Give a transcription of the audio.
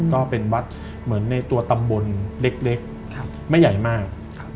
ก็เป็นวัดเหมือนในตัวตำบลเล็กไม่ใหญ่มาก